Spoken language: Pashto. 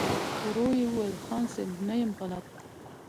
ورو يې وويل: خان صيب! نه يم غلط.